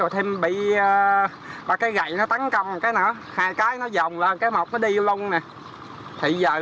tham gia đình